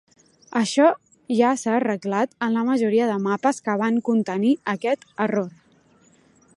Això ja s'ha arreglat en la majoria de mapes que van contenir aquest error.